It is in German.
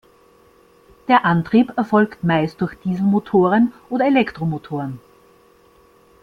Der Antrieb erfolgt meist durch Dieselmotoren oder Elektromotoren.